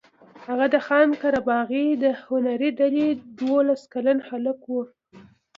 هغه د خان قره باغي د هنري ډلې دولس کلن هلک و.